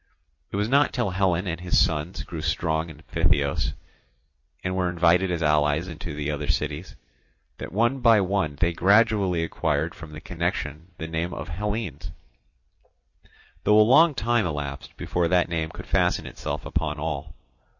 It was not till Hellen and his sons grew strong in Phthiotis, and were invited as allies into the other cities, that one by one they gradually acquired from the connection the name of Hellenes; though a long time elapsed before that name could fasten itself upon all.